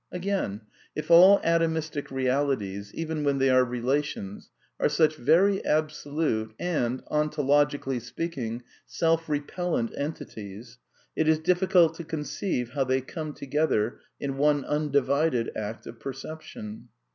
Again, if all atomistic realities, even when they are re lations, are such very absolute, and, ontologically speaking, self repellent entities, it is difficult to conceive how they come together in one undivided act of perception.